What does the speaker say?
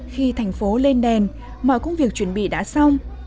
khi thành phố lên đèn mọi công việc chuẩn bị đã xong